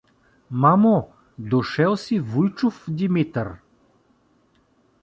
— Мамо, дошел си вуйчов Димитър!